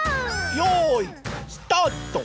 よういスタート。